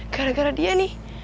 gara gara dia nih